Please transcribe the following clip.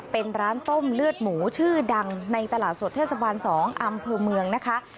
เป็นร้านต้มเลือดหมูชื่อดังในตลาดสดเทศบาล๒อำเภอเมืองนะคะ